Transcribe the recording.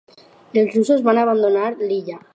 Els russos van abandonar l'illa.